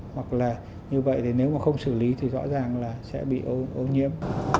hoặc là như vậy thì nếu mà không xử lý thì rõ ràng là sẽ bị ô nhiễm